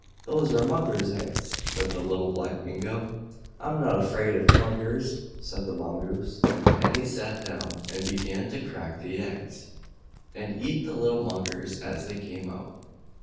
"Those are Mugger's eggs," said Little Black Mingo. "I'm not afraid of Muggers!" said the Mongoose; and he sat down and began to crack the eggs, and eat the little muggers as they came out.